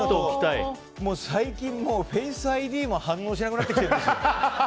最近、フェイスＩＤも反応しなくなってきてるんです。